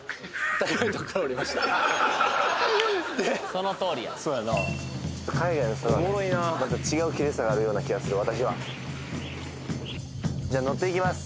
そのとおりやそやな海外の人はまた違うきれいさがあるような気がする私はじゃあ乗っていきます